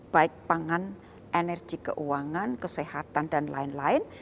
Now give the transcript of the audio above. baik pangan energi keuangan kesehatan dan lain lain